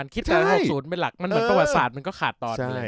มันคิดแปลกศูนย์เป็นหลักมันเหมือนประวัติศาสตร์มันก็ขาดต่อใช่ครับ